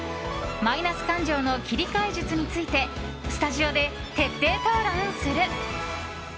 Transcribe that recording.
マイナス感情の切り替え術についてスタジオで徹底討論する。